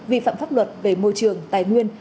vi phạm pháp luật về môi trường tài nguyên